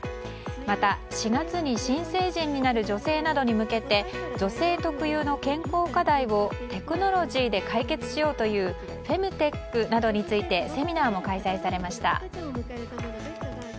また４月に新成人になる女性などに向けて女性特有の健康課題をテクノロジーで解決しようというフェムテックなどについてセミナーも開催されました。